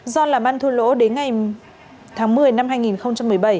do làm ăn thua lỗ đến ngày tháng một mươi năm hai nghìn một mươi bảy